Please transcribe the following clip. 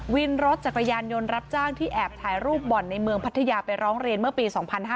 วินรถจักรยานยนต์รับจ้างที่แอบถ่ายรูปบ่อนในเมืองพัทยาไปร้องเรียนเมื่อปี๒๕๕๙